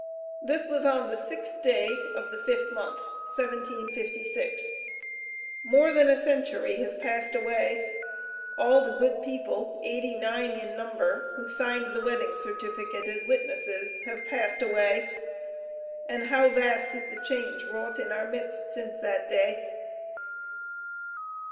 This was on the sixth day of the fifth month, 1756. More than a century has passed away; all the good people, eighty nine in number, who signed the wedding certificate as witnesses, have passed away, and how vast is the change wrought in our midst since that day!